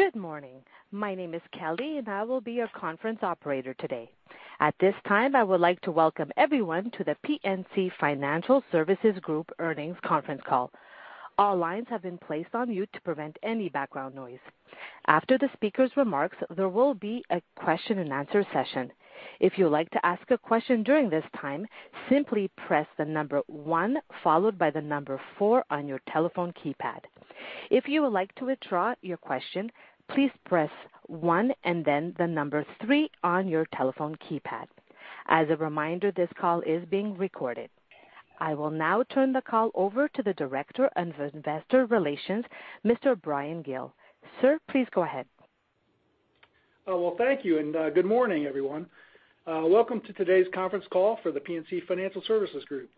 Good morning. My name is Kelly, and I will be your conference operator today. At this time, I would like to welcome everyone to The PNC Financial Services Group earnings conference call. All lines have been placed on mute to prevent any background noise. After the speaker's remarks, there will be a question and answer session. If you would like to ask a question during this time, simply press the number 1 followed by the number 4 on your telephone keypad. If you would like to withdraw your question, please press 1 and then the number 3 on your telephone keypad. As a reminder, this call is being recorded. I will now turn the call over to the director of investor relations, Mr. Bryan Gill. Sir, please go ahead. Well, thank you, and good morning, everyone. Welcome to today's conference call for the PNC Financial Services Group.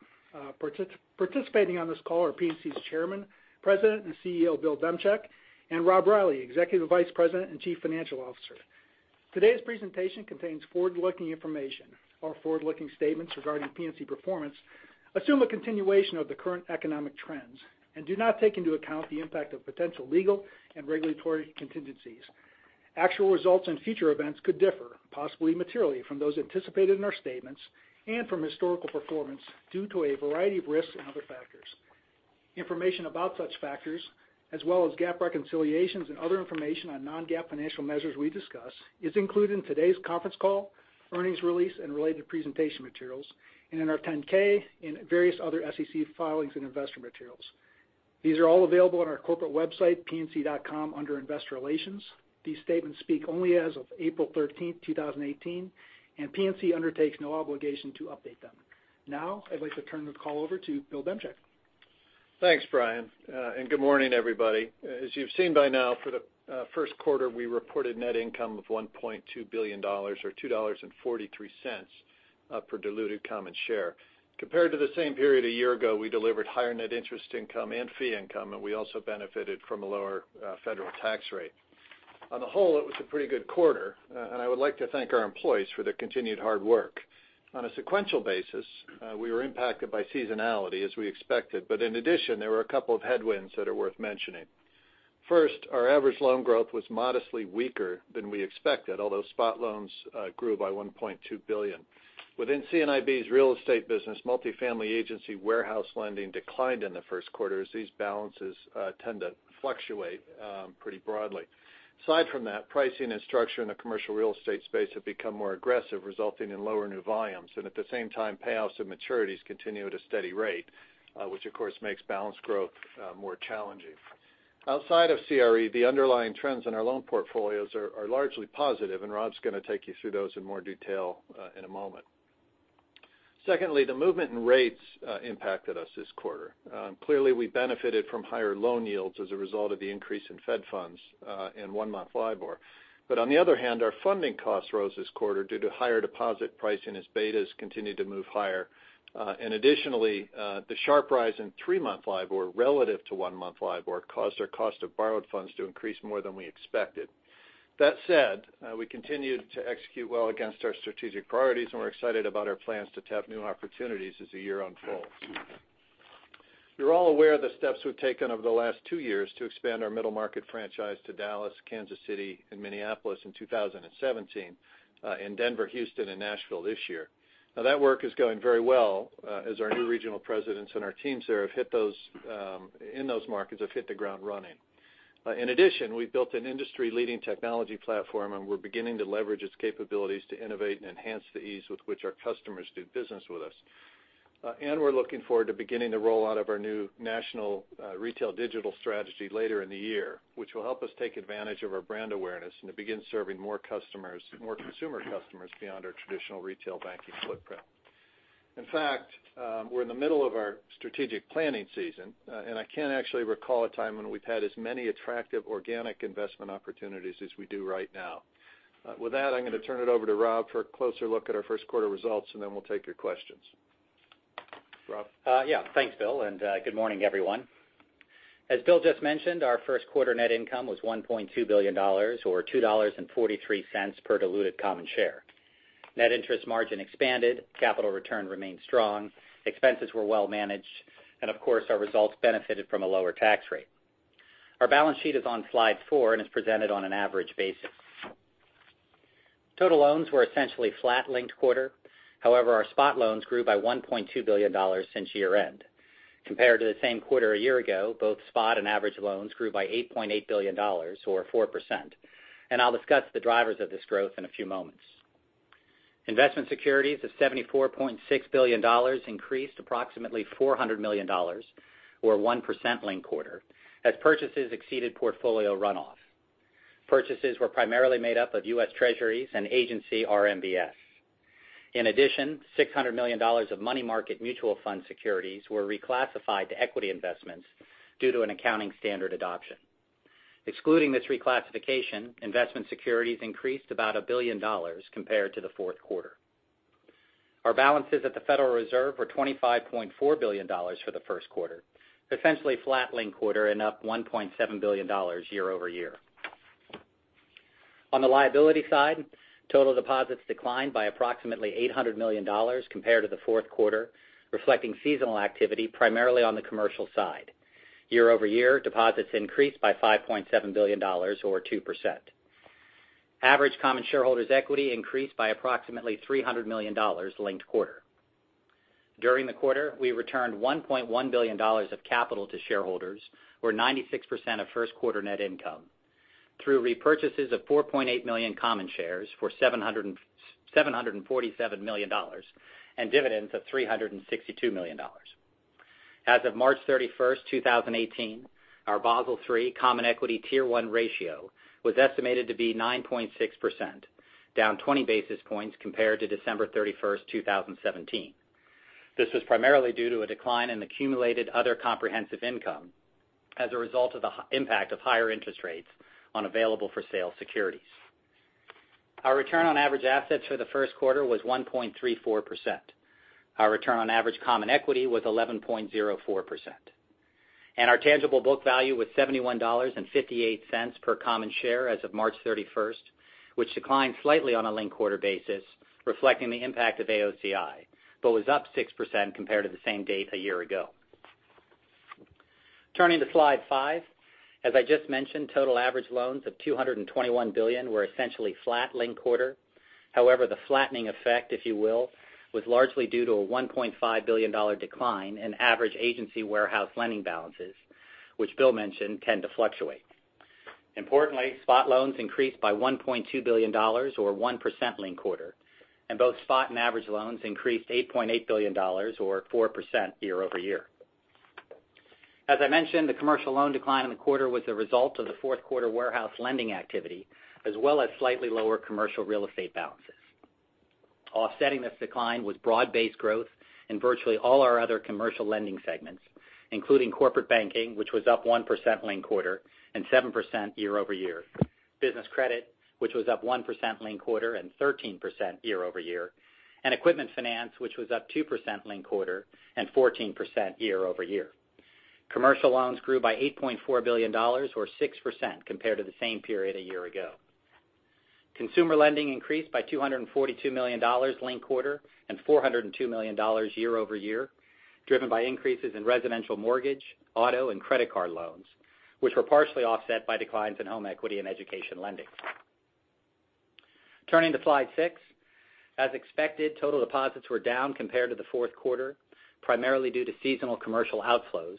Participating on this call are PNC's chairman, president, and CEO, Bill Demchak, and Rob Reilly, Executive Vice President and Chief Financial Officer. Today's presentation contains forward-looking information, or forward-looking statements regarding PNC performance assume a continuation of the current economic trends and do not take into account the impact of potential legal and regulatory contingencies. Actual results in future events could differ, possibly materially, from those anticipated in our statements and from historical performance due to a variety of risks and other factors. Information about such factors, as well as GAAP reconciliations and other information on non-GAAP financial measures we discuss, is included in today's conference call, earnings release, and related presentation materials, and in our 10-K, and various other SEC filings and investor materials. These are all available on our corporate website, pnc.com, under Investor Relations. These statements speak only as of April 13th, 2018, and PNC undertakes no obligation to update them. I'd like to turn the call over to Bill Demchak. Thanks, Bryan. Good morning, everybody. As you've seen by now, for the first quarter, we reported net income of $1.2 billion, or $2.43 per diluted common share. Compared to the same period a year ago, we delivered higher net interest income and fee income, and we also benefited from a lower federal tax rate. On the whole, it was a pretty good quarter, and I would like to thank our employees for their continued hard work. On a sequential basis, we were impacted by seasonality as we expected. In addition, there were a couple of headwinds that are worth mentioning. First, our average loan growth was modestly weaker than we expected, although spot loans grew by $1.2 billion. Within C&IB's real estate business, multifamily agency warehouse lending declined in the first quarter, as these balances tend to fluctuate pretty broadly. Aside from that, pricing and structure in the commercial real estate space have become more aggressive, resulting in lower new volumes. At the same time, payoffs and maturities continue at a steady rate, which of course makes balance growth more challenging. Outside of CRE, the underlying trends in our loan portfolios are largely positive. Rob's going to take you through those in more detail in a moment. Secondly, the movement in rates impacted us this quarter. Clearly, we benefited from higher loan yields as a result of the increase in fed funds and one-month LIBOR. On the other hand, our funding costs rose this quarter due to higher deposit pricing as betas continued to move higher. Additionally, the sharp rise in three-month LIBOR relative to one-month LIBOR caused our cost of borrowed funds to increase more than we expected. That said, we continued to execute well against our strategic priorities. We're excited about our plans to tap new opportunities as the year unfolds. You're all aware of the steps we've taken over the last two years to expand our middle market franchise to Dallas, Kansas City, and Minneapolis in 2017, and Denver, Houston, and Nashville this year. That work is going very well as our new regional presidents and our teams there in those markets have hit the ground running. In addition, we've built an industry-leading technology platform. We're beginning to leverage its capabilities to innovate and enhance the ease with which our customers do business with us. We're looking forward to beginning the rollout of our new national retail digital strategy later in the year, which will help us take advantage of our brand awareness and to begin serving more consumer customers beyond our traditional retail banking footprint. In fact, we're in the middle of our strategic planning season. I can't actually recall a time when we've had as many attractive organic investment opportunities as we do right now. With that, I'm going to turn it over to Rob for a closer look at our first quarter results. Then we'll take your questions. Rob? Thanks, Bill, and good morning, everyone. As Bill just mentioned, our first quarter net income was $1.2 billion, or $2.43 per diluted common share. Net interest margin expanded, capital return remained strong, expenses were well managed. Of course, our results benefited from a lower tax rate. Our balance sheet is on slide four and is presented on an average basis. Total loans were essentially flat linked quarter. However, our spot loans grew by $1.2 billion since year-end. Compared to the same quarter a year ago, both spot and average loans grew by $8.8 billion, or 4%. I'll discuss the drivers of this growth in a few moments. Investment securities of $74.6 billion increased approximately $400 million, or 1% linked quarter, as purchases exceeded portfolio runoff. Purchases were primarily made up of US Treasuries and agency RMBS. In addition, $600 million of money market mutual fund securities were reclassified to equity investments due to an accounting standard adoption. Excluding this reclassification, investment securities increased about $1 billion compared to the fourth quarter. Our balances at the Federal Reserve were $25.4 billion for the first quarter, essentially flat linked quarter and up $1.7 billion year-over-year. On the liability side, total deposits declined by approximately $800 million compared to the fourth quarter, reflecting seasonal activity primarily on the commercial side. Year-over-year, deposits increased by $5.7 billion, or 2%. Average common shareholders' equity increased by approximately $300 million linked quarter. During the quarter, we returned $1.1 billion of capital to shareholders, or 96% of first quarter net income, through repurchases of 4.8 million common shares for $747 million and dividends of $362 million. As of March 31st, 2018, our Basel III Common Equity Tier 1 ratio was estimated to be 9.6%, down 20 basis points compared to December 31st, 2017. This was primarily due to a decline in accumulated other comprehensive income as a result of the impact of higher interest rates on available-for-sale securities. Our return on average assets for the first quarter was 1.34%. Our return on average common equity was 11.04%. Our tangible book value was $71.58 per common share as of March 31st, which declined slightly on a linked quarter basis, reflecting the impact of AOCI, but was up 6% compared to the same date a year ago. Turning to Slide 5. As I just mentioned, total average loans of $221 billion were essentially flat linked quarter. However, the flattening effect, if you will, was largely due to a $1.5 billion decline in average agency warehouse lending balances, which Bill mentioned tend to fluctuate. Importantly, spot loans increased by $1.2 billion, or 1% linked quarter, and both spot and average loans increased $8.8 billion, or 4%, year-over-year. As I mentioned, the commercial loan decline in the quarter was the result of the fourth quarter warehouse lending activity, as well as slightly lower commercial real estate balances. Offsetting this decline was broad-based growth in virtually all our other commercial lending segments, including corporate banking, which was up 1% linked quarter and 7% year-over-year. Business credit, which was up 1% linked quarter and 13% year-over-year. Equipment finance, which was up 2% linked quarter and 14% year-over-year. Commercial loans grew by $8.4 billion, or 6%, compared to the same period a year ago. Consumer lending increased by $242 million linked quarter and $402 million year-over-year, driven by increases in residential mortgage, auto, and credit card loans, which were partially offset by declines in home equity and education lending. Turning to Slide 6. As expected, total deposits were down compared to the fourth quarter, primarily due to seasonal commercial outflows,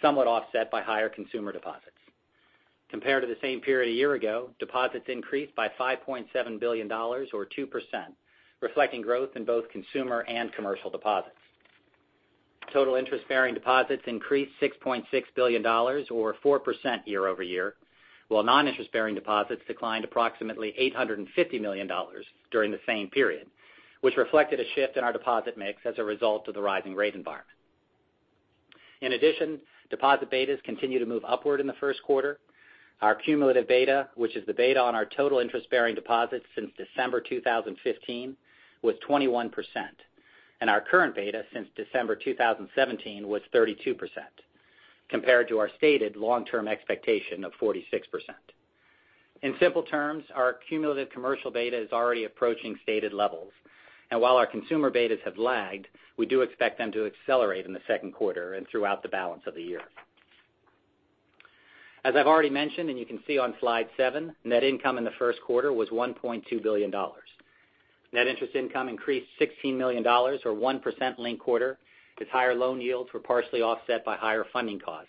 somewhat offset by higher consumer deposits. Compared to the same period a year ago, deposits increased by $5.7 billion, or 2%, reflecting growth in both consumer and commercial deposits. Total interest-bearing deposits increased $6.6 billion, or 4%, year-over-year, while non-interest-bearing deposits declined approximately $850 million during the same period, which reflected a shift in our deposit mix as a result of the rising rate environment. In addition, deposit betas continue to move upward in the first quarter. Our cumulative beta, which is the beta on our total interest-bearing deposits since December 2015, was 21%, and our current beta since December 2017 was 32%, compared to our stated long-term expectation of 46%. In simple terms, our cumulative commercial beta is already approaching stated levels, and while our consumer betas have lagged, we do expect them to accelerate in the second quarter and throughout the balance of the year. As I've already mentioned, and you can see on Slide seven, net income in the first quarter was $1.2 billion. Net interest income increased $16 million, or 1%, linked quarter as higher loan yields were partially offset by higher funding costs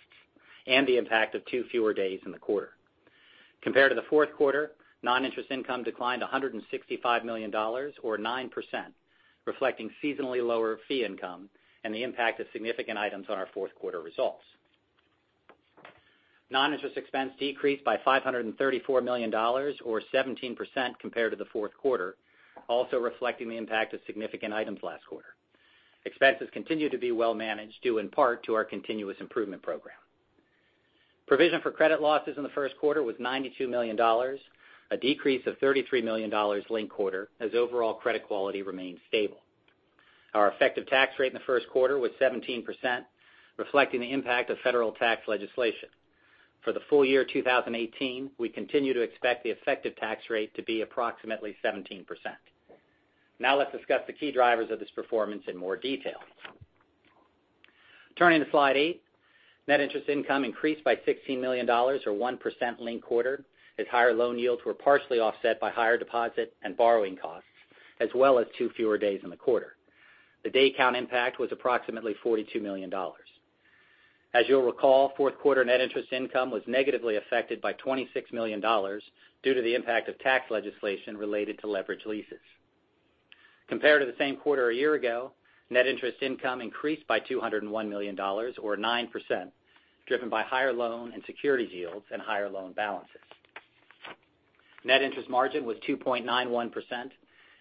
and the impact of two fewer days in the quarter. Compared to the fourth quarter, non-interest income declined $165 million, or 9%, reflecting seasonally lower fee income and the impact of significant items on our fourth quarter results. Non-interest expense decreased by $534 million, or 17%, compared to the fourth quarter, also reflecting the impact of significant items last quarter. Expenses continue to be well managed, due in part to our continuous improvement program. Provision for credit losses in the first quarter was $92 million, a decrease of $33 million linked quarter as overall credit quality remained stable. Our effective tax rate in the first quarter was 17%, reflecting the impact of federal tax legislation. For the full year 2018, we continue to expect the effective tax rate to be approximately 17%. Let's discuss the key drivers of this performance in more detail. Turning to Slide eight. Net interest income increased by $16 million, or 1%, linked quarter as higher loan yields were partially offset by higher deposit and borrowing costs as well as two fewer days in the quarter. The day count impact was approximately $42 million. As you'll recall, fourth quarter net interest income was negatively affected by $26 million due to the impact of tax legislation related to leverage leases. Compared to the same quarter a year ago, net interest income increased by $201 million, or 9%, driven by higher loan and securities yields and higher loan balances. Net interest margin was 2.91%,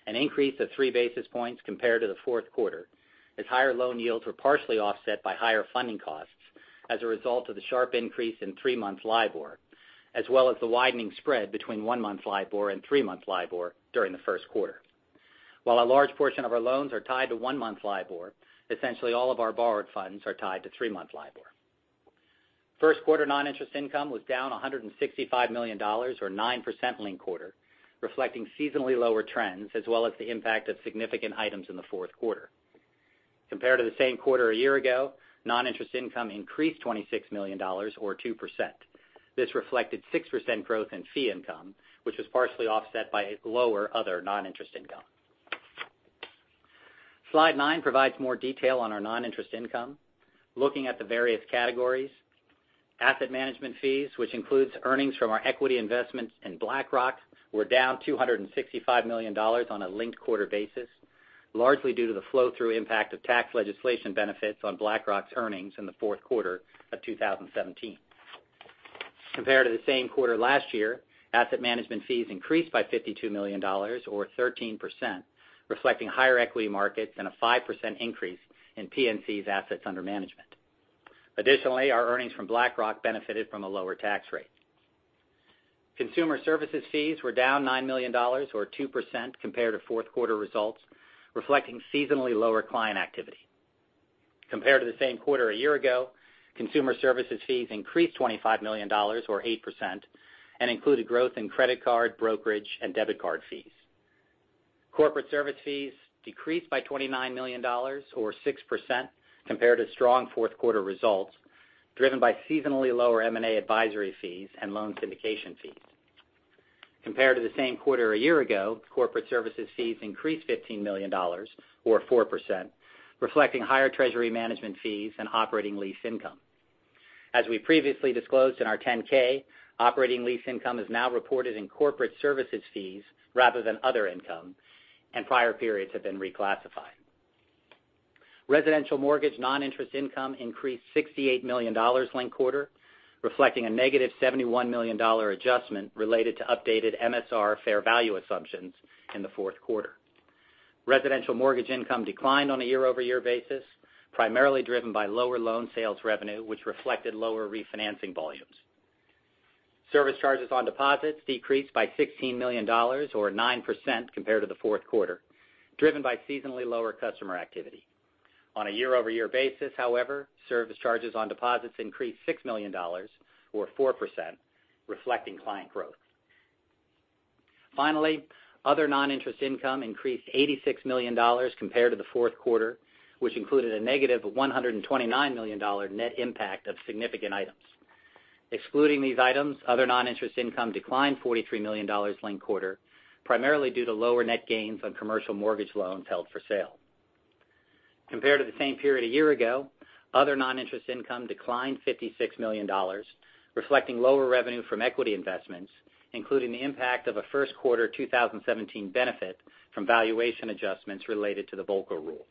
an increase of three basis points compared to the fourth quarter, as higher loan yields were partially offset by higher funding costs as a result of the sharp increase in three-month LIBOR, as well as the widening spread between one-month LIBOR and three-month LIBOR during the first quarter. While a large portion of our loans are tied to one-month LIBOR, essentially all of our borrowed funds are tied to three-month LIBOR. First quarter non-interest income was down $165 million, or 9% linked quarter, reflecting seasonally lower trends, as well as the impact of significant items in the fourth quarter. Compared to the same quarter a year ago, non-interest income increased $26 million, or 2%. This reflected 6% growth in fee income, which was partially offset by lower other non-interest income. Slide nine provides more detail on our non-interest income. Looking at the various categories, asset management fees, which includes earnings from our equity investments in BlackRock, were down $265 million on a linked-quarter basis, largely due to the flow-through impact of tax legislation benefits on BlackRock's earnings in the fourth quarter of 2017. Compared to the same quarter last year, asset management fees increased by $52 million, or 13%, reflecting higher equity markets and a 5% increase in PNC's assets under management. Additionally, our earnings from BlackRock benefited from a lower tax rate. Consumer services fees were down $9 million, or 2%, compared to fourth quarter results, reflecting seasonally lower client activity. Compared to the same quarter a year ago, consumer services fees increased $25 million, or 8%, and included growth in credit card, brokerage, and debit card fees. Corporate service fees decreased by $29 million, or 6%, compared to strong fourth quarter results, driven by seasonally lower M&A advisory fees and loan syndication fees. Compared to the same quarter a year ago, corporate services fees increased $15 million, or 4%, reflecting higher treasury management fees and operating lease income. As we previously disclosed in our 10-K, operating lease income is now reported in corporate services fees rather than other income, and prior periods have been reclassified. Residential mortgage non-interest income increased $68 million linked quarter, reflecting a negative $71 million adjustment related to updated MSR fair value assumptions in the fourth quarter. Residential mortgage income declined on a year-over-year basis, primarily driven by lower loan sales revenue, which reflected lower refinancing volumes. Service charges on deposits decreased by $16 million, or 9%, compared to the fourth quarter, driven by seasonally lower customer activity. On a year-over-year basis, however, service charges on deposits increased $6 million, or 4%, reflecting client growth. Other non-interest income increased $86 million compared to the fourth quarter, which included a negative $129 million net impact of significant items. Excluding these items, other non-interest income declined $43 million linked quarter, primarily due to lower net gains on commercial mortgage loans held for sale. Compared to the same period a year ago, other non-interest income declined $56 million, reflecting lower revenue from equity investments, including the impact of a first quarter 2017 benefit from valuation adjustments related to the Volcker Rule.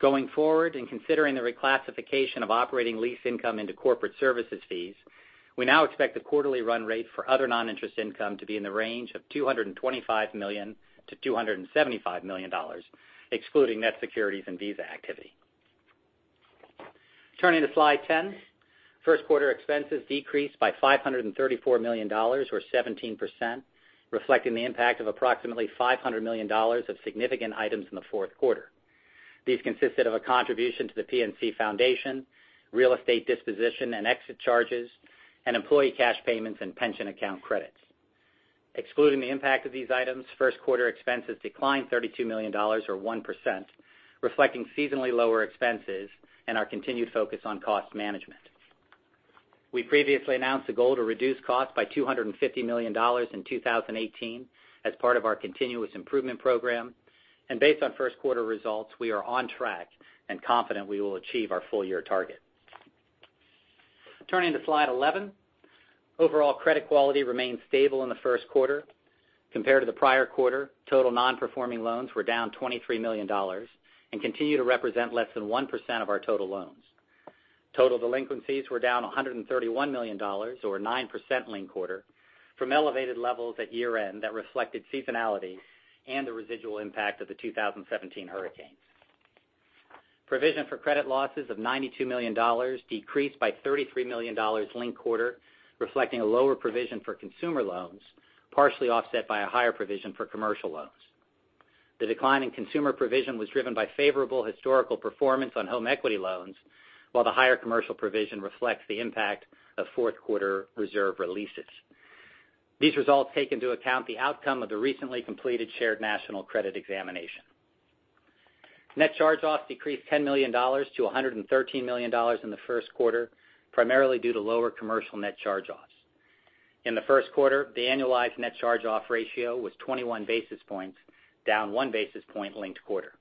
Considering the reclassification of operating lease income into corporate services fees, we now expect the quarterly run rate for other non-interest income to be in the range of $225 million-$275 million, excluding net securities and Visa activity. Turning to slide 10, first quarter expenses decreased by $534 million, or 17%, reflecting the impact of approximately $500 million of significant items in the fourth quarter. These consisted of a contribution to the PNC Foundation, real estate disposition and exit charges, and employee cash payments and pension account credits. Excluding the impact of these items, first quarter expenses declined $32 million, or 1%, reflecting seasonally lower expenses and our continued focus on cost management. We previously announced a goal to reduce costs by $250 million in 2018 as part of our continuous improvement program. Based on first quarter results, we are on track and confident we will achieve our full year target. Turning to slide 11. Overall credit quality remained stable in the first quarter. Compared to the prior quarter, total non-performing loans were down $23 million and continue to represent less than 1% of our total loans. Total delinquencies were down $131 million, or 9%, linked quarter, from elevated levels at year-end that reflected seasonality and the residual impact of the 2017 hurricanes. Provision for credit losses of $92 million decreased by $33 million linked quarter, reflecting a lower provision for consumer loans, partially offset by a higher provision for commercial loans. The decline in consumer provision was driven by favorable historical performance on home equity loans, while the higher commercial provision reflects the impact of fourth quarter reserve releases. These results take into account the outcome of the recently completed shared national credit examination. Net charge-offs decreased $10 million to $113 million in the first quarter, primarily due to lower commercial net charge-offs. In the first quarter, the annualized net charge-off ratio was 21 basis points, down one basis point linked quarter.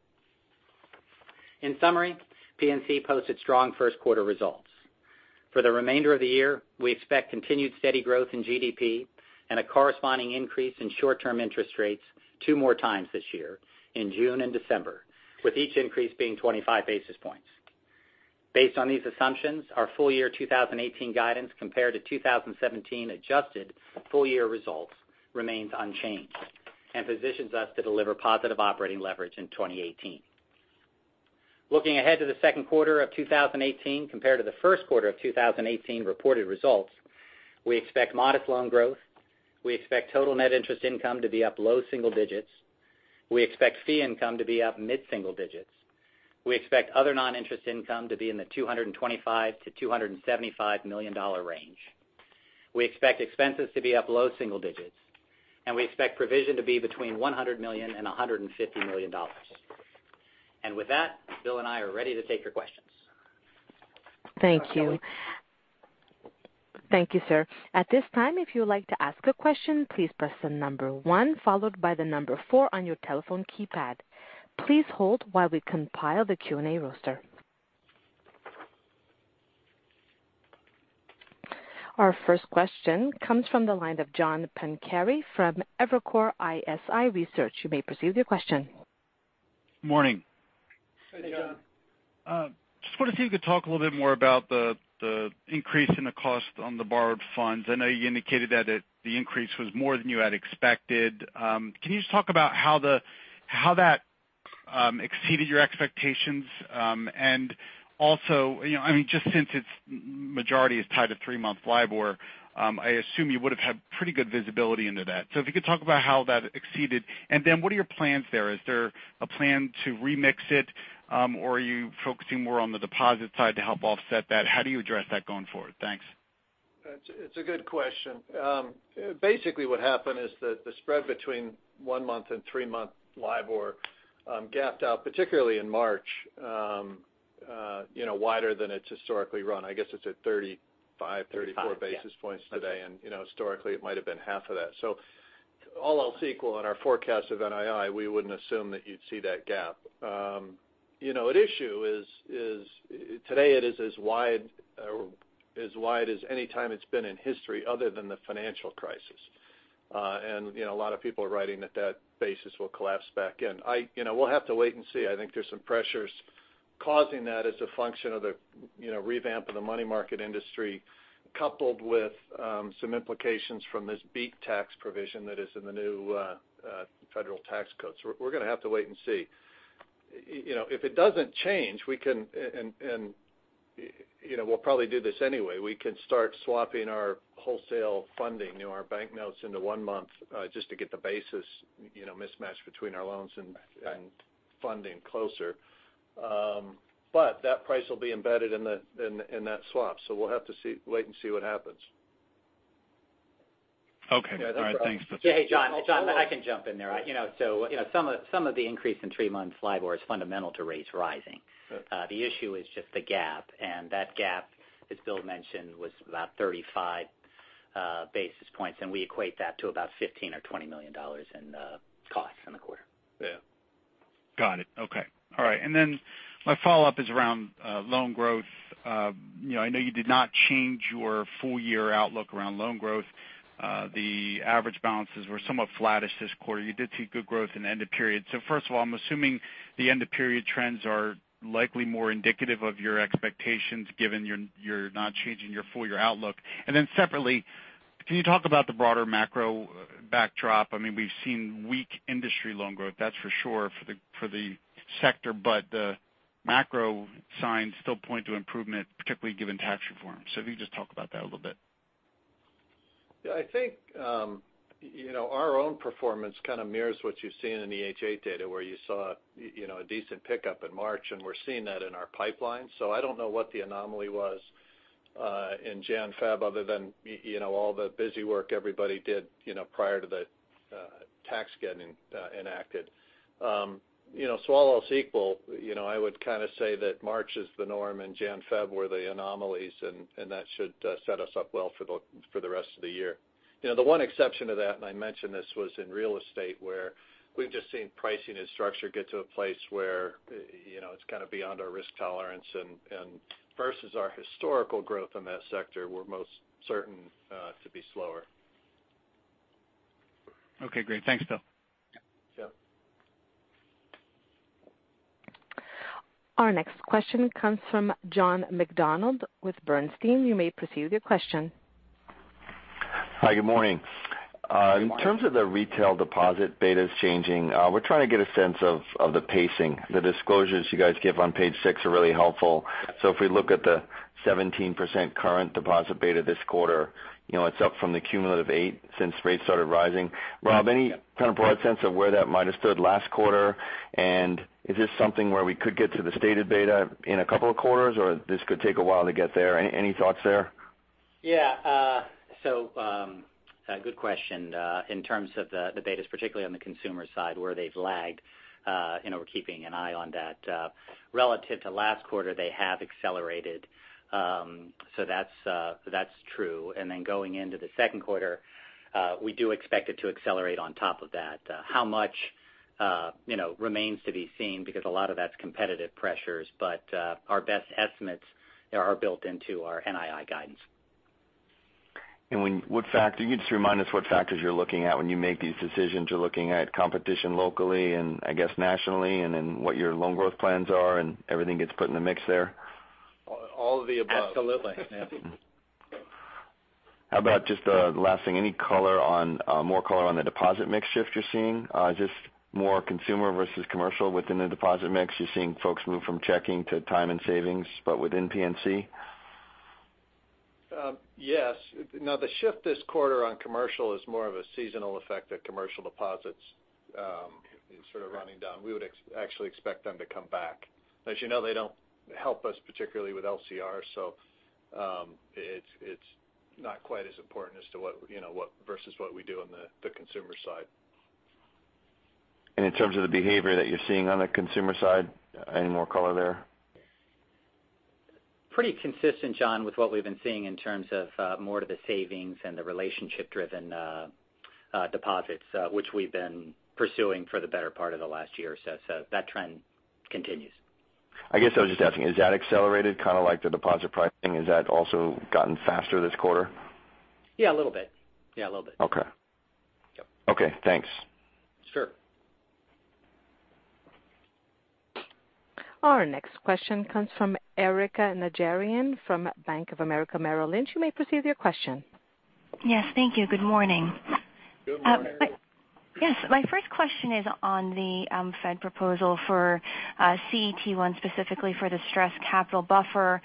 In summary, PNC posted strong first-quarter results. For the remainder of the year, we expect continued steady growth in GDP and a corresponding increase in short-term interest rates two more times this year, in June and December, with each increase being 25 basis points. Based on these assumptions, our full year 2018 guidance compared to 2017 adjusted full-year results remains unchanged and positions us to deliver positive operating leverage in 2018. Looking ahead to the second quarter of 2018 compared to the first quarter of 2018 reported results, we expect modest loan growth, we expect total net interest income to be up low single digits. We expect fee income to be up mid-single digits. We expect other non-interest income to be in the $225 million-$275 million range. We expect provision to be between $100 million and $150 million. With that, Bill and I are ready to take your questions. Thank you. Kelly. Thank you, sir. At this time, if you would like to ask a question, please press the number 1 followed by the number 4 on your telephone keypad. Please hold while we compile the Q&A roster. Our first question comes from the line of John Pancari from Evercore ISI Research. You may proceed with your question. Morning. Hey, John. Hey, John. Just wanted to see if you could talk a little bit more about the increase in the cost on the borrowed funds. I know you indicated that the increase was more than you had expected. Can you just talk about how that exceeded your expectations? Also, just since its majority is tied to three-month LIBOR, I assume you would've had pretty good visibility into that. If you could talk about how that exceeded, and then what are your plans there? Is there a plan to remix it? Are you focusing more on the deposit side to help offset that? How do you address that going forward? Thanks. It's a good question. Basically, what happened is that the spread between one-month and three-month LIBOR gapped out, particularly in March, wider than it's historically run. I guess it's at 35, 34 basis points today. Historically, it might've been half of that. All else equal in our forecast of NII, we wouldn't assume that you'd see that gap. An issue is today it is as wide as any time it's been in history other than the financial crisis. A lot of people are writing that that basis will collapse back in. We'll have to wait and see. I think there's some pressures causing that as a function of the revamp of the money market industry, coupled with some implications from this BEAT tax provision that is in the new federal tax code. We're going to have to wait and see. If it doesn't change, and we'll probably do this anyway, we can start swapping our wholesale funding, our bank notes into one month, just to get the basis mismatch between our loans and funding closer. That price will be embedded in that swap. We'll have to wait and see what happens. Okay. All right. Thanks. Yeah, that's where. Hey, John. I can jump in there. Some of the increase in three-month LIBOR is fundamental to rates rising. The issue is just the gap. That gap, as Bill mentioned, was about 35 basis points, and we equate that to about $15 million or $20 million in cost in the quarter. Yeah. Got it. Okay. All right. My follow-up is around loan growth. I know you did not change your full-year outlook around loan growth. The average balances were somewhat flattish this quarter. You did see good growth in end of period. First of all, I'm assuming the end of period trends are likely more indicative of your expectations given you're not changing your full-year outlook. Separately, can you talk about the broader macro backdrop? We've seen weak industry loan growth, that's for sure, for the sector. The macro signs still point to improvement, particularly given tax reform. If you could just talk about that a little bit. Yeah, I think our own performance kind of mirrors what you've seen in the H.8 data where you saw a decent pickup in March, and we're seeing that in our pipeline. I don't know what the anomaly was in Jan/Feb other than all the busy work everybody did prior to the tax getting enacted. All else equal, I would say that March is the norm and Jan/Feb were the anomalies, and that should set us up well for the rest of the year. The one exception to that, and I mentioned this, was in real estate where we've just seen pricing and structure get to a place where it's kind of beyond our risk tolerance. Versus our historical growth in that sector, we're most certain to be slower. Okay, great. Thanks, Bill. Yeah. Our next question comes from John McDonald with Bernstein. You may proceed with your question. Hi, good morning. Good morning. In terms of the retail deposit betas changing, we're trying to get a sense of the pacing. The disclosures you guys give on page six are really helpful. If we look at the 17% current deposit beta this quarter, it's up from the cumulative eight since rates started rising. Rob, any kind of broad sense of where that might've stood last quarter? Is this something where we could get to the stated beta in a couple of quarters, or this could take a while to get there? Any thoughts there? Yeah. Good question. In terms of the betas, particularly on the consumer side where they've lagged, we're keeping an eye on that. Relative to last quarter, they have accelerated. That's true. Going into the second quarter, we do expect it to accelerate on top of that. How much remains to be seen because a lot of that's competitive pressures. Our best estimates are built into our NII guidance. Can you just remind us what factors you're looking at when you make these decisions? You're looking at competition locally and I guess nationally, and then what your loan growth plans are, and everything gets put in the mix there? All of the above. Absolutely. How about just the last thing, any more color on the deposit mix shift you're seeing? Just more consumer versus commercial within the deposit mix. You're seeing folks move from checking to time and savings, but within PNC? Yes. The shift this quarter on commercial is more of a seasonal effect of commercial deposits sort of running down. We would actually expect them to come back. As you know, they don't help us particularly with LCR, so it's not quite as important versus what we do on the consumer side. In terms of the behavior that you're seeing on the consumer side, any more color there? Pretty consistent, John, with what we've been seeing in terms of more to the savings and the relationship-driven deposits which we've been pursuing for the better part of the last year or so. That trend continues. I guess I was just asking, has that accelerated kind of like the deposit pricing? Has that also gotten faster this quarter? Yeah, a little bit. Okay. Yep. Okay, thanks. Sure. Our next question comes from Erika Najarian from Bank of America Merrill Lynch. You may proceed with your question. Yes. Thank you. Good morning. Good morning. Yes. My first question is on the Fed proposal for CET1, specifically for the stress capital buffer.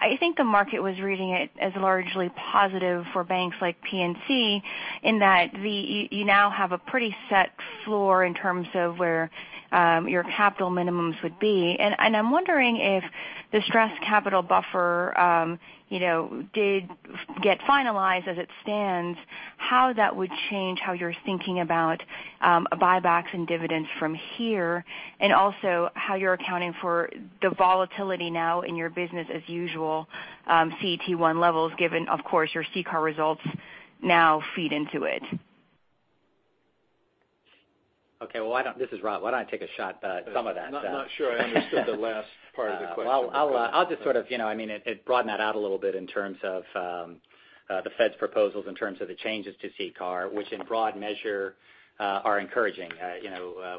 I think the market was reading it as largely positive for banks like PNC in that you now have a pretty set floor in terms of where your capital minimums would be. I'm wondering if the stress capital buffer did get finalized as it stands, how that would change how you're thinking about buybacks and dividends from here. Also how you're accounting for the volatility now in your business as usual CET1 levels given, of course, your CCAR results now feed into it. Okay. This is Rob. Why don't I take a shot at some of that? Not sure I understood the last part of the question. I'll just sort of, it broadened that out a little bit in terms of the Fed's proposals, in terms of the changes to CCAR, which in broad measure are encouraging.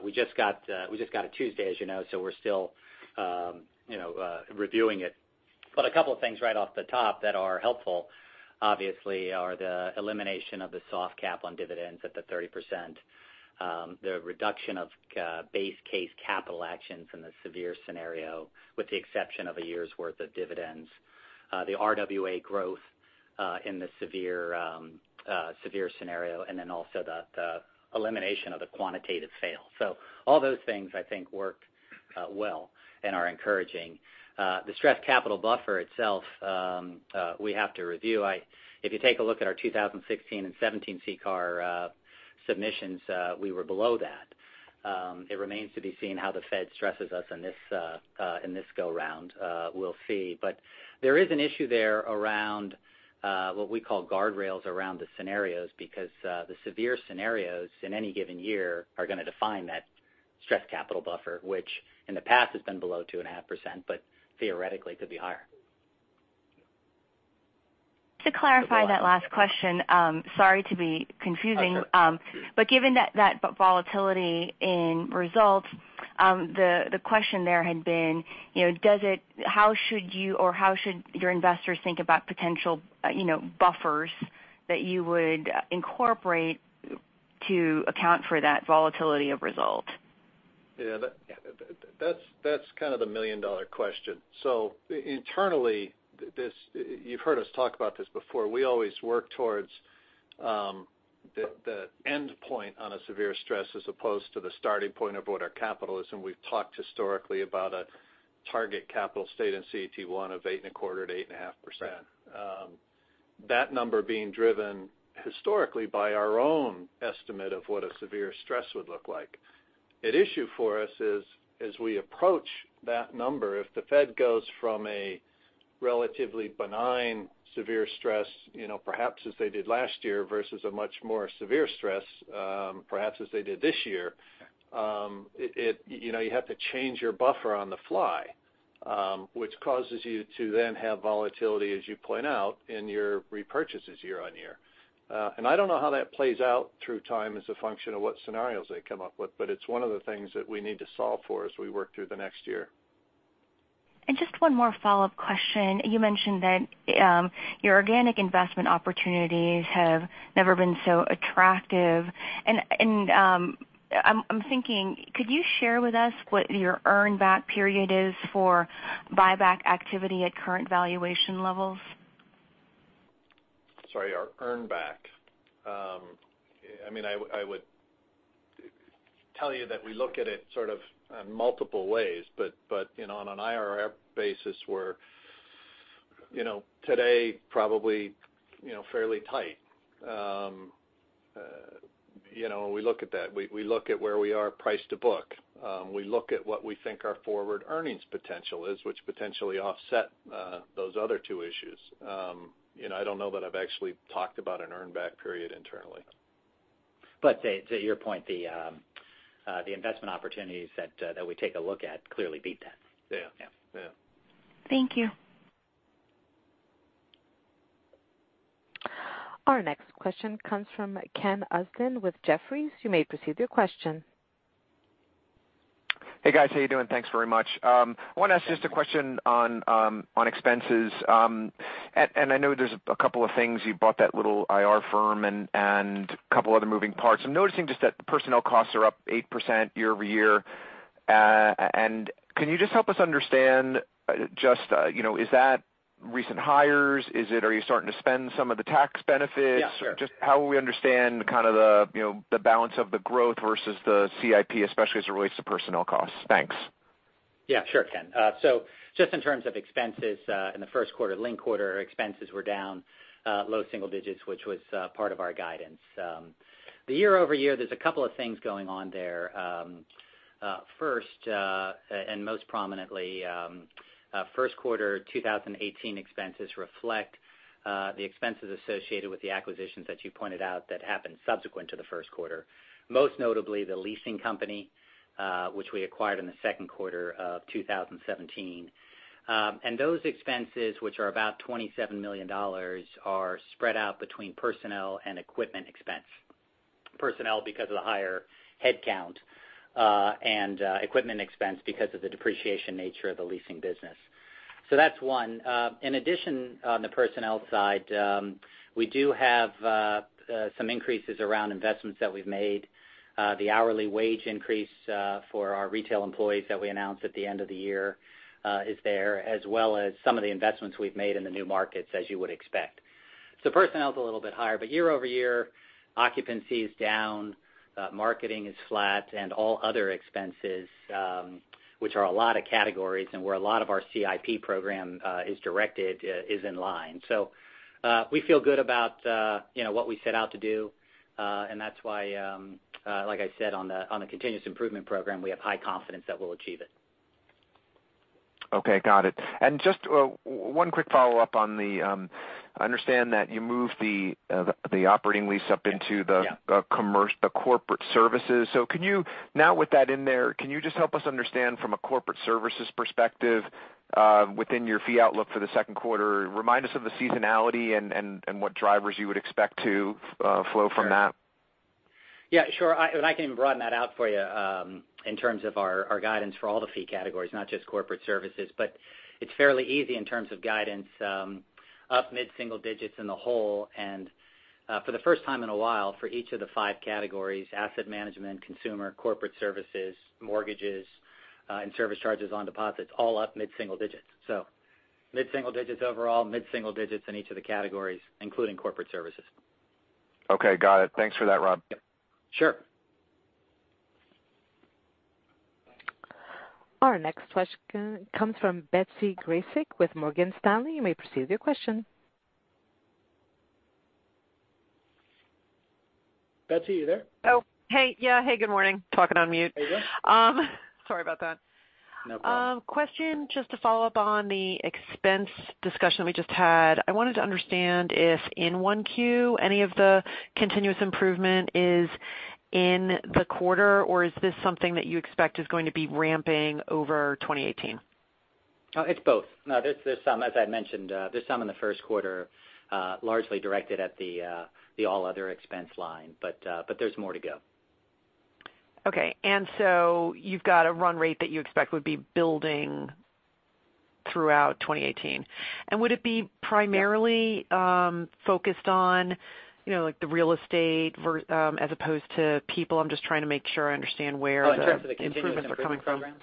We just got to Tuesday, as you know, so we're still reviewing it. A couple of things right off the top that are helpful, obviously, are the elimination of the soft cap on dividends at the 30%, the reduction of base case capital actions in the severe scenario, with the exception of a year's worth of dividends, the RWA growth in the severe scenario, and then also the elimination of the quantitative fail. All those things I think work well and are encouraging. The stress capital buffer itself we have to review. If you take a look at our 2016 and 2017 CCAR submissions, we were below that. It remains to be seen how the Fed stresses us in this go around. We'll see. There is an issue there around what we call guardrails around the scenarios because the severe scenarios in any given year are going to define that stress capital buffer, which in the past has been below 2.5%, but theoretically could be higher. To clarify that last question, sorry to be confusing. That's okay. Given that volatility in results, the question there had been, how should you, or how should your investors think about potential buffers that you would incorporate to account for that volatility of result? Yeah. That's kind of the million-dollar question. Internally, you've heard us talk about this before. We always work towards the end point on a severe stress as opposed to the starting point of what our capital is, and we've talked historically about a target capital state in CET1 of 8.25%-8.5%. Right. That number being driven historically by our own estimate of what a severe stress would look like. At issue for us is as we approach that number, if the Fed goes from a relatively benign severe stress, perhaps as they did last year versus a much more severe stress, perhaps as they did this year. Right You have to change your buffer on the fly which causes you to then have volatility, as you point out, in your repurchases year-on-year. I don't know how that plays out through time as a function of what scenarios they come up with, but it's one of the things that we need to solve for as we work through the next year. Just one more follow-up question. You mentioned that your organic investment opportunities have never been so attractive. I'm thinking, could you share with us what your earn back period is for buyback activity at current valuation levels? Sorry, our earn back. I would tell you that we look at it sort of multiple ways, on an IRR basis we're today probably fairly tight. We look at that. We look at where we are price to book. We look at what we think our forward earnings potential is, which potentially offset those other two issues. I don't know that I've actually talked about an earn back period internally. To your point, the investment opportunities that we take a look at clearly beat that. Yeah. Yeah. Yeah. Thank you. Our next question comes from Ken Usdin with Jefferies. You may proceed with your question. Hey, guys. How you doing? Thanks very much. I want to ask just a question on expenses. I know there's a couple of things. You bought that little IR firm and a couple other moving parts. I'm noticing just that personnel costs are up 8% year-over-year. Can you just help us understand, is that recent hires? Are you starting to spend some of the tax benefits? Yeah, sure. Just how we understand the balance of the growth versus the CIP, especially as it relates to personnel costs. Thanks. Sure, Ken. Just in terms of expenses in the first quarter, linked quarter expenses were down low single digits, which was part of our guidance. The year-over-year, there's a couple of things going on there. First, and most prominently, first quarter 2018 expenses reflect the expenses associated with the acquisitions that you pointed out that happened subsequent to the first quarter, most notably the leasing company, which we acquired in the second quarter of 2017. Those expenses, which are about $27 million, are spread out between personnel and equipment expense. Personnel because of the higher headcount, and equipment expense because of the depreciation nature of the leasing business. That's one. In addition, on the personnel side, we do have some increases around investments that we've made. The hourly wage increase for our retail employees that we announced at the end of the year is there, as well as some of the investments we've made in the new markets, as you would expect. Personnel is a little bit higher, but year-over-year, occupancy is down, marketing is flat, and all other expenses, which are a lot of categories and where a lot of our CIP program is directed, is in line. We feel good about what we set out to do. That's why like I said on the continuous improvement program, we have high confidence that we'll achieve it. Got it. Just one quick follow-up on the. I understand that you moved the operating lease up into the Yeah Corporate services. With that in there, can you just help us understand from a corporate services perspective within your fee outlook for the second quarter, remind us of the seasonality and what drivers you would expect to flow from that? Yeah, sure. I can even broaden that out for you in terms of our guidance for all the fee categories, not just corporate services. It's fairly easy in terms of guidance up mid-single digits in the whole. For the first time in a while, for each of the 5 categories, asset management, consumer, corporate services, mortgages, and service charges on deposits, all up mid-single digits. Mid-single digits overall, mid-single digits in each of the categories, including corporate services. Okay, got it. Thanks for that, Rob. Sure. Our next question comes from Betsy Graseck with Morgan Stanley. You may proceed with your question. Betsy, you there? Oh, hey. Yeah. Hey, good morning. Talking on mute. There you go. Sorry about that. No problem. Question, just to follow up on the expense discussion that we just had. I wanted to understand if in 1Q, any of the continuous improvement is in the quarter, or is this something that you expect is going to be ramping over 2018? Oh, it's both. No, as I mentioned, there's some in the first quarter, largely directed at the all other expense line. There's more to go. Okay. You've got a run rate that you expect would be building throughout 2018. Would it be primarily focused on the real estate as opposed to people? I'm just trying to make sure I understand. Oh, in terms of the continuous improvement program? improvements are coming from.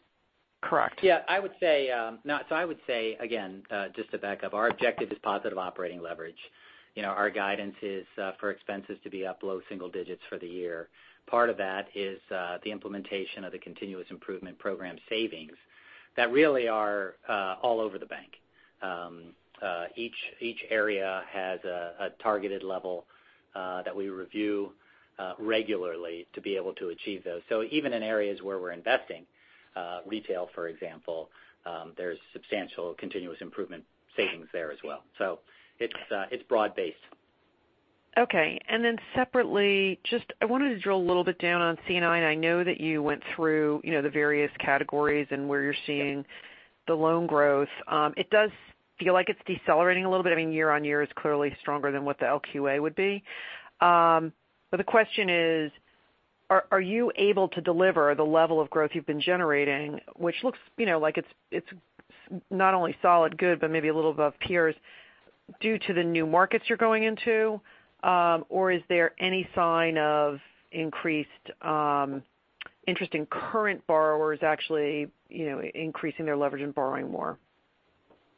Correct. Yeah. I would say, again, just to back up, our objective is positive operating leverage. Our guidance is for expenses to be up low single digits for the year. Part of that is the implementation of the continuous improvement program savings that really are all over the bank. Each area has a targeted level that we review regularly to be able to achieve those. So even in areas where we're investing, retail, for example, there's substantial continuous improvement savings there as well. So it's broad-based. Okay. Separately, I wanted to drill a little bit down on C&I. I know that you went through the various categories and where you're seeing the loan growth. It does feel like it's decelerating a little bit. I mean, year-over-year is clearly stronger than what the LQA would be. The question is: Are you able to deliver the level of growth you've been generating, which looks like it's not only solid good but maybe a little above peers due to the new markets you're going into? Is there any sign of increased interest in current borrowers actually increasing their leverage and borrowing more?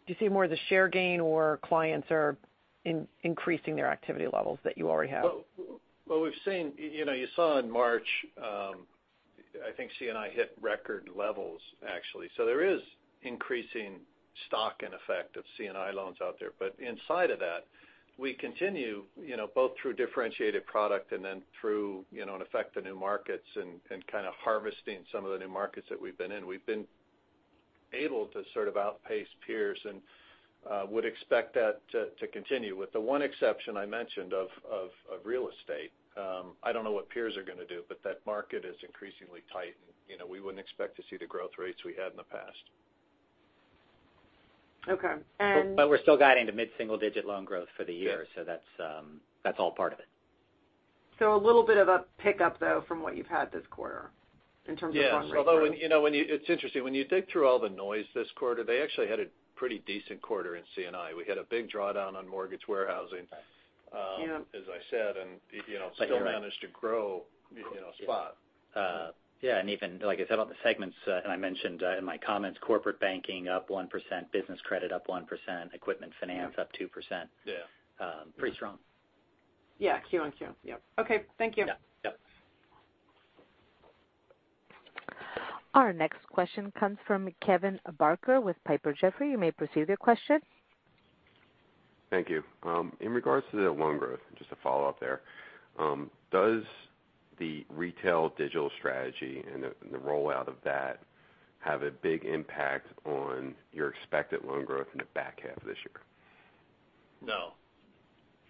Do you see more of the share gain, or clients are increasing their activity levels that you already have? What we've seen, you saw in March, I think C&I hit record levels, actually. There is increasing stock in effect of C&I loans out there. Inside of that, we continue both through differentiated product and then through, in effect, the new markets and kind of harvesting some of the new markets that we've been in. We've been able to sort of outpace peers and would expect that to continue with the one exception I mentioned of real estate. I don't know what peers are going to do, that market is increasingly tight, and we wouldn't expect to see the growth rates we had in the past. Okay. We're still guiding to mid-single digit loan growth for the year. Yes. That's all part of it. A little bit of a pickup, though, from what you've had this quarter in terms of loan growth. Yes. It's interesting. When you dig through all the noise this quarter, they actually had a pretty decent quarter in C&I. We had a big drawdown on mortgage warehousing- Yeah As I said, still managed to grow spot. Yeah. Even, like I said, all the segments, and I mentioned in my comments, corporate banking up 1%, business credit up 1%, equipment finance up 2%. Yeah. Pretty strong. Yeah, Q on Q. Yep. Okay. Thank you. Yep. Yep. Our next question comes from Kevin Barker with Piper Jaffray. You may proceed with your question. Thank you. In regards to the loan growth, just a follow-up there, does the retail digital strategy and the rollout of that have a big impact on your expected loan growth in the back half of this year? No.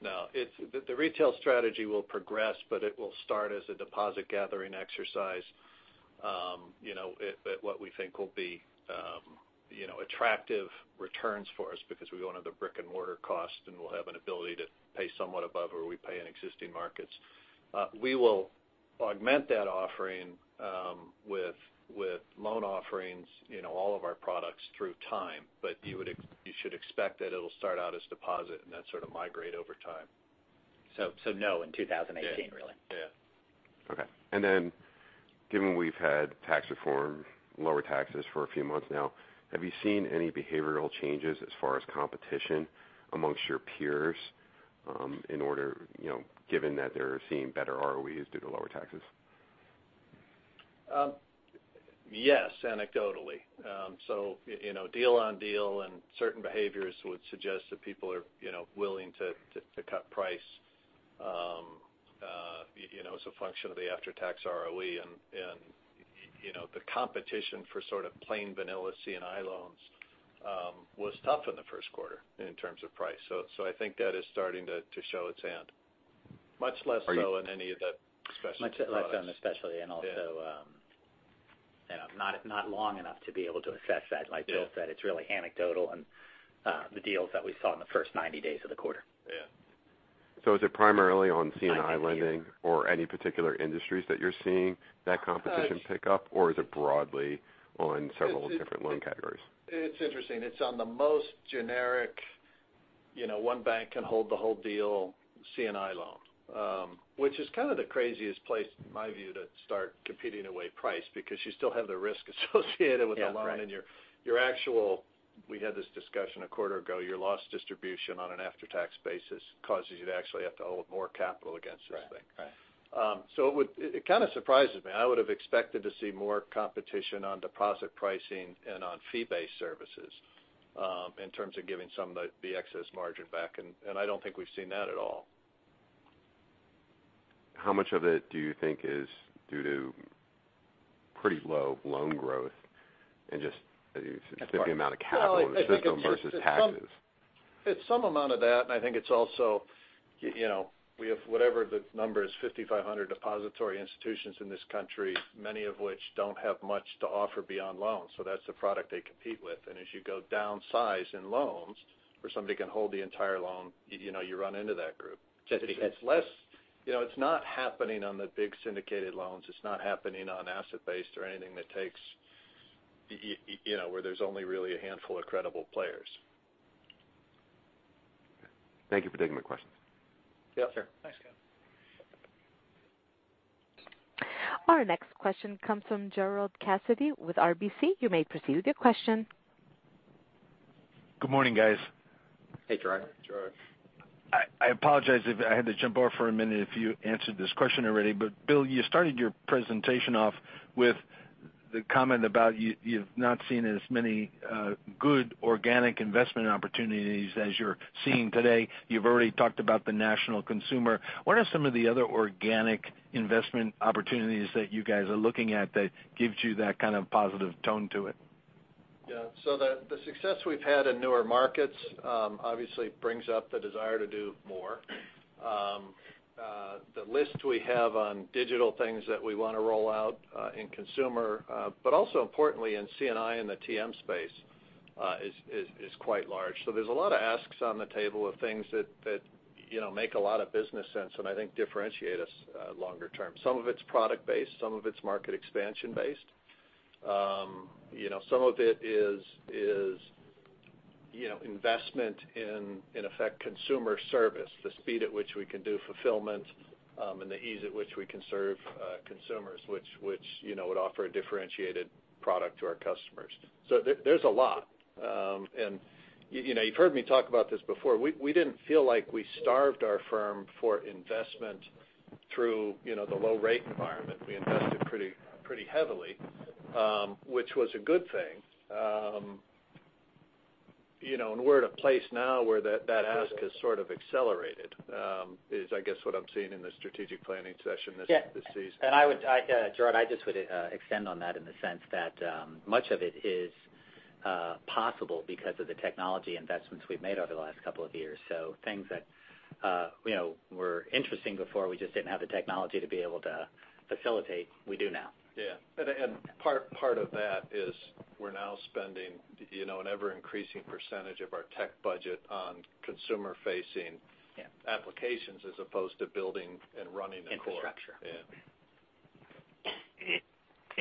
The retail strategy will progress, it will start as a deposit-gathering exercise. At what we think will be attractive returns for us because we won't have the brick-and-mortar cost, and we'll have an ability to pay somewhat above where we pay in existing markets. We will augment that offering with loan offerings, all of our products through time. You should expect that it'll start out as deposit and then sort of migrate over time. No, in 2018, really. Yeah. Okay. Given we've had tax reform, lower taxes for a few months now, have you seen any behavioral changes as far as competition amongst your peers, given that they're seeing better ROEs due to lower taxes? Yes, anecdotally. Deal-on-deal and certain behaviors would suggest that people are willing to cut price as a function of the after-tax ROE. The competition for sort of plain vanilla C&I loans was tough in the first quarter in terms of price. I think that is starting to show its hand. Much less so in any of the specialty products. Much less so in the specialty and also not long enough to be able to assess that. Like Bill said, it's really anecdotal and the deals that we saw in the first 90 days of the quarter. Yeah. Is it primarily on C&I lending or any particular industries that you're seeing that competition pick up, or is it broadly on several different loan categories? It's interesting. It's on the most generic, one bank can hold the whole deal C&I loan which is kind of the craziest place, in my view, to start competing away price because you still have the risk associated with the loan. Yeah, right. Your actual, we had this discussion a quarter ago, your loss distribution on an after-tax basis causes you to actually have to hold more capital against this thing. Right. It kind of surprises me. I would've expected to see more competition on deposit pricing and on fee-based services in terms of giving some of the excess margin back, and I don't think we've seen that at all. How much of it do you think is due to pretty low loan growth and just the amount of capital in the system versus taxes? It's some amount of that, and I think it's also, we have whatever the number is, 5,500 depository institutions in this country, many of which don't have much to offer beyond loans. That's the product they compete with. As you go downsize in loans where somebody can hold the entire loan, you run into that group. It's not happening on the big syndicated loans. It's not happening on asset-based or anything where there's only really a handful of credible players. Thank you for taking my questions. Yeah. Sure. Thanks, Kevin. Our next question comes from Gerard Cassidy with RBC. You may proceed with your question. Good morning, guys. Hey, Gerard. Hi, Gerard. I apologize if I had to jump off for a minute if you answered this question already. Bill, you started your presentation off with the comment about you've not seen as many good organic investment opportunities as you're seeing today. You've already talked about the national consumer. What are some of the other organic investment opportunities that you guys are looking at that gives you that kind of positive tone to it? Yeah. The success we've had in newer markets obviously brings up the desire to do more. The list we have on digital things that we want to roll out in consumer, but also importantly in C&I and the TM space, is quite large. There's a lot of asks on the table of things that make a lot of business sense and I think differentiate us longer term. Some of it's product based, some of it's market expansion based. Some of it is investment in effect consumer service, the speed at which we can do fulfillment, and the ease at which we can serve consumers which would offer a differentiated product to our customers. There's a lot. You've heard me talk about this before. We didn't feel like we starved our firm for investment through the low rate environment. We invested pretty heavily which was a good thing. We're at a place now where that ask has sort of accelerated, is I guess what I'm seeing in the strategic planning session this season. Yeah. Gerard, I just would extend on that in the sense that much of it is possible because of the technology investments we've made over the last couple of years. Things that were interesting before, we just didn't have the technology to be able to facilitate, we do now. Yeah. Part of that is we're now spending an ever-increasing percentage of our tech budget on consumer-facing applications as opposed to building and running the core. Infrastructure. Yeah.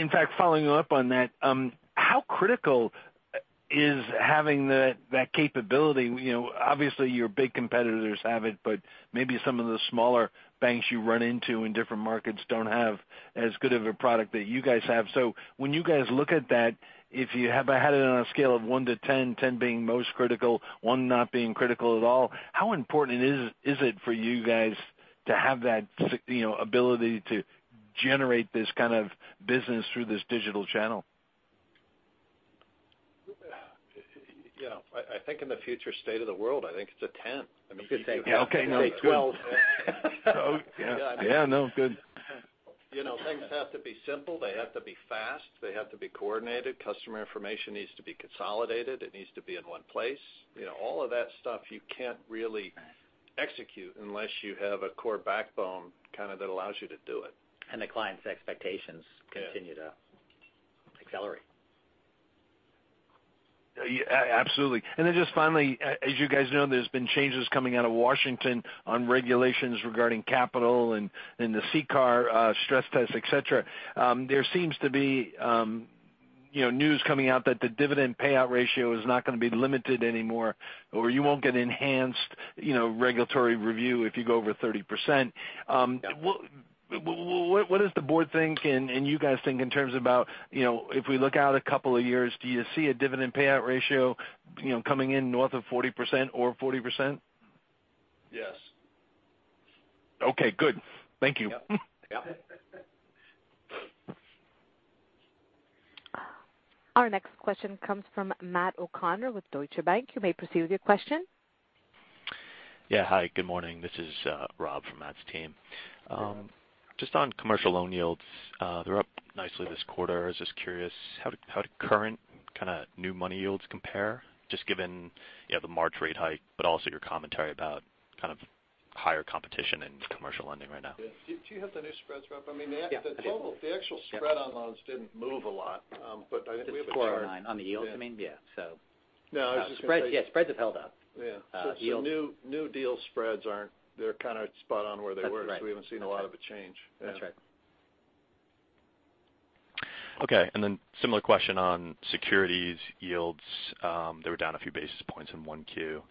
In fact, following up on that, how critical is having that capability, obviously your big competitors have it, but maybe some of the smaller banks you run into in different markets don't have as good of a product that you guys have. When you guys look at that, if you have had it on a scale of one to 10 being most critical, one not being critical at all, how important is it for you guys to have that ability to generate this kind of business through this digital channel? I think in the future state of the world, I think it's a 10. Okay. No, it's good. I'd say 12. Yeah. No, good. Things have to be simple. They have to be fast. They have to be coordinated. Customer information needs to be consolidated. It needs to be in one place. All of that stuff you can't really execute unless you have a core backbone that allows you to do it. The client's expectations continue to accelerate. Absolutely. Just finally, as you guys know, there's been changes coming out of Washington on regulations regarding capital and the CCAR stress test, et cetera. There seems to be news coming out that the dividend payout ratio is not going to be limited anymore, or you won't get enhanced regulatory review if you go over 30%. What does the board think, and you guys think in terms about if we look out a couple of years, do you see a dividend payout ratio coming in north of 40% or 40%? Yes. Okay, good. Thank you. Yep. Our next question comes from Matt O'Connor with Deutsche Bank. You may proceed with your question. Yeah. Hi, good morning. This is Rob from Matt's team. Hey, Rob. Just on commercial loan yields, they're up nicely this quarter. I was just curious, how do current new money yields compare, just given the March rate hike, but also your commentary about higher competition in commercial lending right now? Do you have the new spreads, Rob? The actual spread on loans didn't move a lot. I think we have the chart. On the yields, you mean? Yeah. No, I was just going to say- Yeah, spreads have held up. Yeah. New deal spreads, they're kind of spot on where they were. That's right. We haven't seen a lot of a change. That's right. Okay. Then similar question on securities yields. They were down a few basis points in 1Q.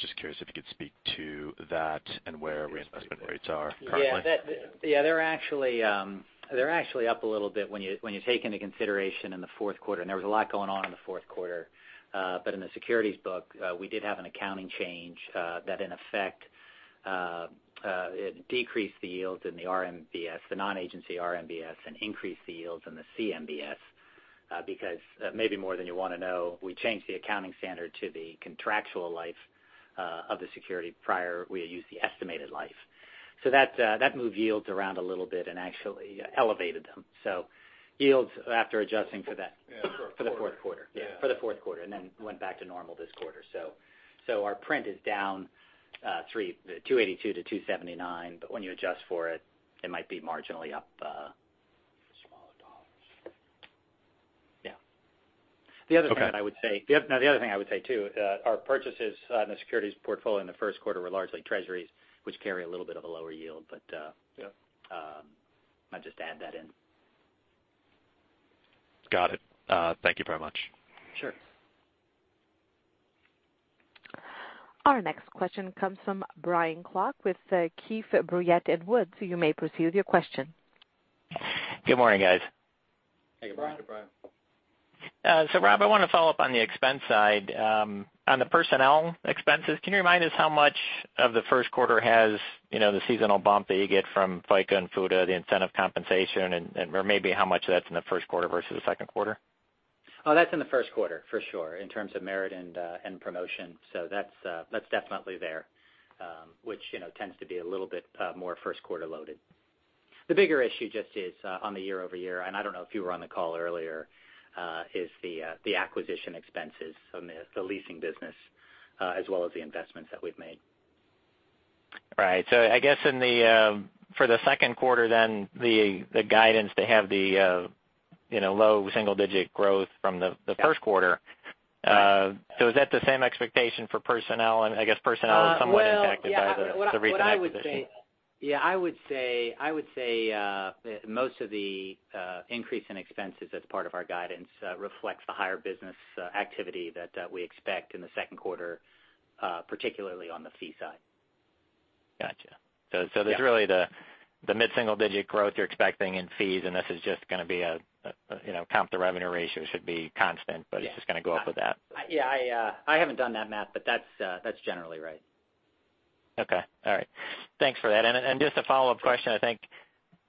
Just curious if you could speak to that and where reinvestment rates are currently. Yeah. They're actually up a little bit when you take into consideration in the fourth quarter. There was a lot going on in the fourth quarter. In the securities book, we did have an accounting change that in effect decreased the yields in the RMBS, the non-agency RMBS, and increased the yields in the CMBS because, maybe more than you want to know, we changed the accounting standard to the contractual life of the security. Prior, we had used the estimated life. That moved yields around a little bit and actually elevated them. Yields after adjusting for the fourth quarter. Yeah. For the fourth quarter, then went back to normal this quarter. Our print is down 282 to 279, but when you adjust for it might be marginally up. The other thing I would say, too, our purchases on the securities portfolio in the first quarter were largely Treasuries, which carry a little bit of a lower yield. I'll just add that in. Got it. Thank you very much. Sure. Our next question comes from Brian Klock with Keefe, Bruyette & Woods. You may proceed with your question. Good morning, guys. Hey, Brian. Hey, Brian. Rob, I want to follow up on the expense side. On the personnel expenses, can you remind us how much of the first quarter has the seasonal bump that you get from FICA and FUTA, the incentive compensation, or maybe how much of that's in the first quarter versus the second quarter? That's in the first quarter for sure, in terms of merit and promotion. That's definitely there, which tends to be a little bit more first quarter loaded. The bigger issue just is on the year-over-year, I don't know if you were on the call earlier, is the acquisition expenses from the leasing business as well as the investments that we've made. I guess for the second quarter, the guidance to have the low single-digit growth from the first quarter. Right. Is that the same expectation for personnel? I guess personnel is somewhat impacted by the recent acquisition. I would say most of the increase in expenses as part of our guidance reflects the higher business activity that we expect in the second quarter, particularly on the fee side. Got you. There's really the mid-single digit growth you're expecting in fees, and this is just going to be a comp to revenue ratio should be constant, but it's just going to go up with that. I haven't done that math, but that's generally right. Okay. All right. Thanks for that. Just a follow-up question, I think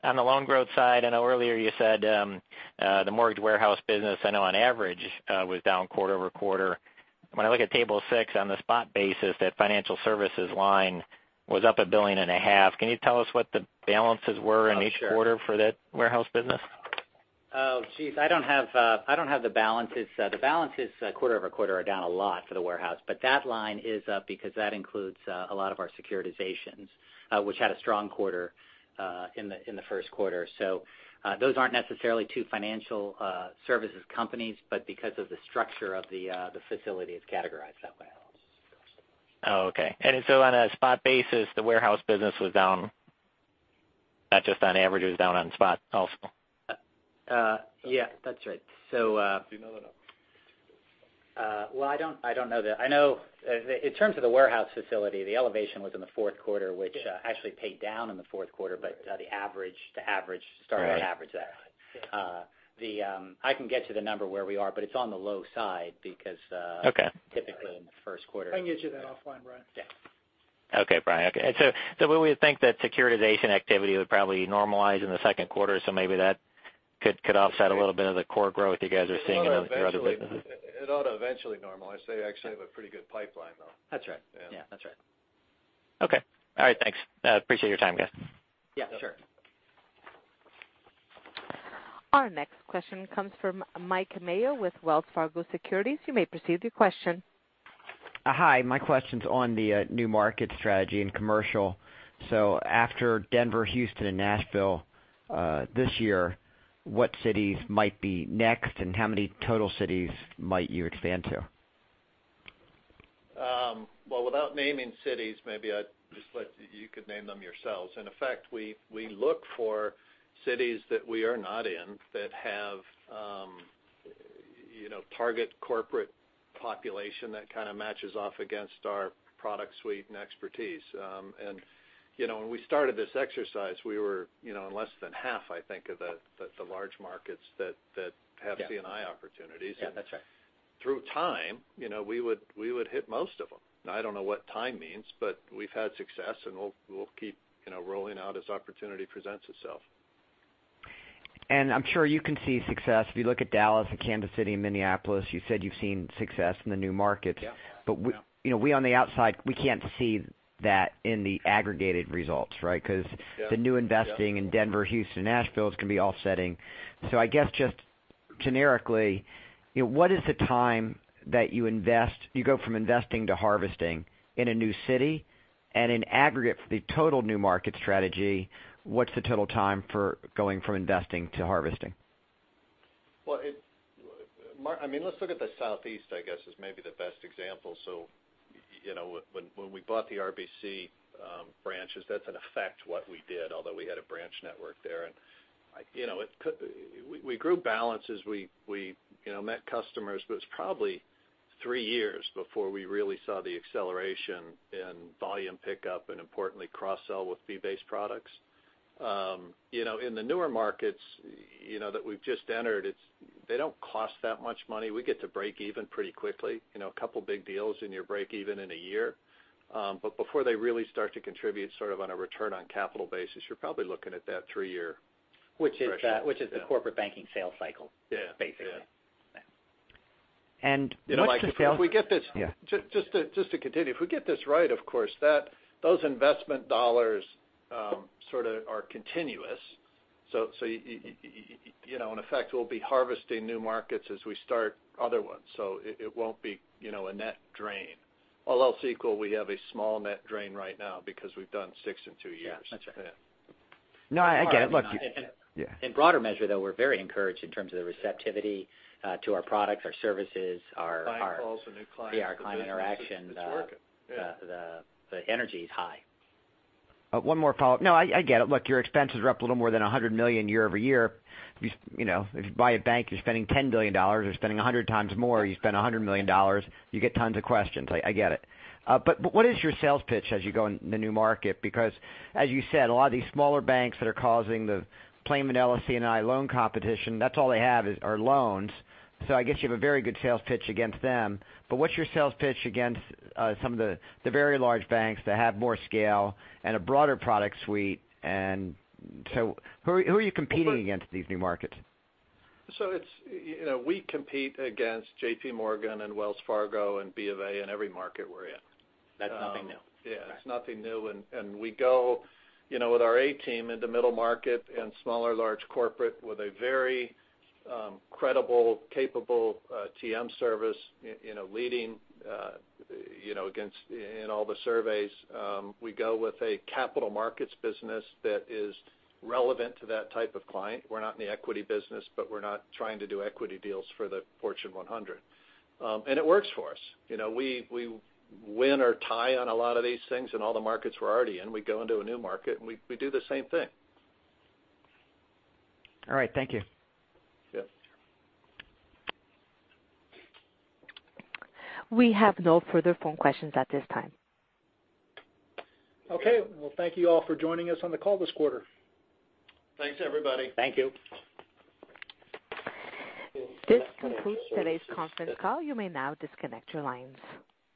on the loan growth side, I know earlier you said the mortgage warehouse business I know on average was down quarter-over-quarter. When I look at table six on the spot basis, that financial services line was up $1.5 billion. Can you tell us what the balances were in each quarter for that warehouse business? Oh, geez. I don't have the balances. The balances quarter-over-quarter are down a lot for the warehouse. That line is up because that includes a lot of our securitizations which had a strong quarter in the first quarter. Those aren't necessarily two financial services companies, but because of the structure of the facility, it's categorized that way. Oh, okay. On a spot basis, the warehouse business was down, not just on average, it was down on spot also. Yeah, that's right. Do you know that? Well, I don't know that. I know, in terms of the warehouse facility, the elevation was in the fourth quarter, which actually paid down in the fourth quarter, but the start on average there. Right. I can get to the number where we are, but it's on the low side because. Okay typically in the first quarter. I can get you that offline, Brian. Yeah. Okay, Brian. We would think that securitization activity would probably normalize in the second quarter, so maybe that could offset a little bit of the core growth you guys are seeing in your other businesses. It ought to eventually normalize. They actually have a pretty good pipeline, though. That's right. Yeah. Yeah. That's right. Okay. All right, thanks. I appreciate your time, guys. Yeah, sure. Our next question comes from Mike Mayo with Wells Fargo Securities. You may proceed with your question. Hi, my question's on the new market strategy in commercial. After Denver, Houston, and Nashville, this year, what cities might be next and how many total cities might you expand to? Well, without naming cities, maybe you could name them yourselves. In effect, we look for cities that we are not in that have target corporate population that kind of matches off against our product suite and expertise. When we started this exercise, we were in less than half, I think, of the large markets that have C&I opportunities. Yeah, that's right. Through time, we would hit most of them. Now, I don't know what time means, but we've had success, and we'll keep rolling out as opportunity presents itself. I'm sure you can see success. If you look at Dallas and Kansas City and Minneapolis, you said you've seen success in the new markets. Yeah. We on the outside, we can't see that in the aggregated results, right? Yeah The new investing in Denver, Houston, Nashville is going to be offsetting. I guess just generically, what is the time that you go from investing to harvesting in a new city, and in aggregate for the total new market strategy, what's the total time for going from investing to harvesting? Let's look at the Southeast, I guess, is maybe the best example. When we bought the RBC branches, that's in effect what we did, although we had a branch network there. We grew balances. We met customers, but it was probably three years before we really saw the acceleration in volume pickup and importantly, cross-sell with fee-based products. In the newer markets that we've just entered, they don't cost that much money. We get to break even pretty quickly. A couple of big deals and you break even in a year. Before they really start to contribute sort of on a return on capital basis, you're probably looking at that three-year threshold. Which is the corporate banking sales cycle. Yeah. Basically. what's the sales- If we get this- Yeah. Just to continue, if we get this right, of course, those investment dollars sort of are continuous. In effect, we'll be harvesting new markets as we start other ones. It won't be a net drain. All else equal, we have a small net drain right now because we've done six in two years. Yeah. That's right. Yeah. No, I get it. Look. In broader measure, though, we're very encouraged in terms of the receptivity to our products, our services. Client calls and new clients. Our client interaction. It's working. Yeah. The energy is high. One more follow-up. No, I get it. Look, your expenses are up a little more than $100 million year-over-year. If you buy a bank, you're spending $10 billion or spending 100 times more. You spend $100 million, you get tons of questions. I get it. What is your sales pitch as you go in the new market? Because as you said, a lot of these smaller banks that are causing the plain vanilla C&I loan competition, that's all they have, are loans. I guess you have a very good sales pitch against them, but what's your sales pitch against some of the very large banks that have more scale and a broader product suite? Who are you competing against in these new markets? We compete against JP Morgan and Wells Fargo and B of A in every market we're in. That's nothing new. Yeah. It's nothing new. We go with our A team in the middle market and smaller large corporate with a very credible, capable TM service, leading in all the surveys. We go with a capital markets business that is relevant to that type of client. We're not in the equity business, but we're not trying to do equity deals for the Fortune 100. It works for us. We win or tie on a lot of these things in all the markets we're already in. We go into a new market, we do the same thing. All right. Thank you. Yeah. We have no further phone questions at this time. Okay. Well, thank you all for joining us on the call this quarter. Thanks, everybody. Thank you. This concludes today's conference call. You may now disconnect your lines.